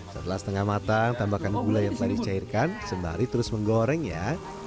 setelah setengah matang tambahkan gula yang telah dicairkan sembari terus menggoreng ya